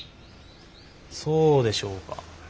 そうでしょうか。